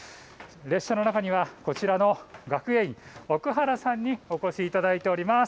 列車の中にはこちらの学芸員、奥原さんにもお越しいただいています。